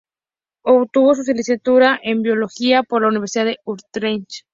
Obtuvo su licenciatura en biología por la Universidad de Utrecht.